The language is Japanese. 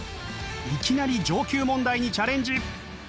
いきなり上級問題にチャレンジ。